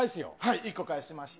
１個返しました。